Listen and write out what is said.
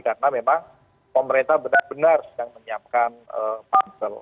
karena memang pemerintah benar benar sedang menyiapkan pansel